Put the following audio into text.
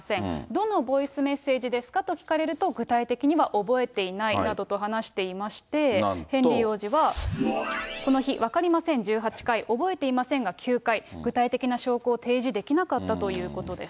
どのボイスメッセージですかと聞かれると、具体的には覚えていないなどと話していまして、ヘンリー王子はこの日、分かりません１８回、覚えていませんが９回、具体的な証拠を提示できなかったということです。